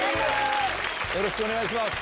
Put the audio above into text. よろしくお願いします。